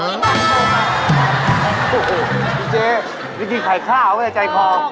เออโอ้โฮพี่เจ๊นี่กินไข่ข้าวไงใจของ